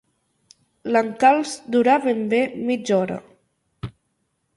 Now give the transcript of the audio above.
L'encalç durà ben bé mitja hora.